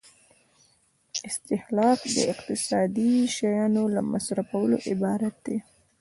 استهلاک د اقتصادي شیانو له مصرفولو عبارت دی.